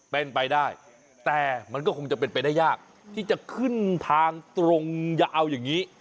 เป็นไปได้แต่มันก็คงจะเป็นไปได้ยากที่จะขึ้นทางตรงอย่าเอาอย่างนี้